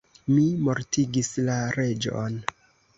Mi mortigis la reĝon.